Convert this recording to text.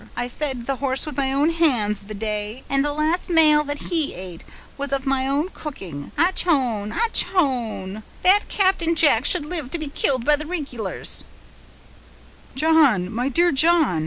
I fed the horse with my own hands, the day; and the last male that he ate was of my own cooking. Och hone! och hone!—that Captain Jack should live to be killed by the rig'lars!" "John! my dear John!"